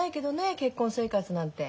結婚生活なんて。